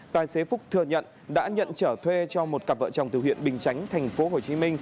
tài xế phúc thừa nhận đã nhận trở thuê cho một cặp vợ chồng từ huyện bình chánh tp hcm